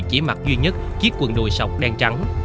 chỉ mặc duy nhất chiếc quần đùi sọc đen trắng